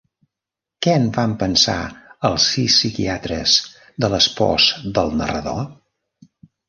Què en van pensar els sis psiquiatres de les pors del narrador?